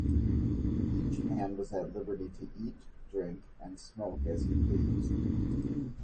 Each man was at liberty to eat, drink, and smoke as he pleased.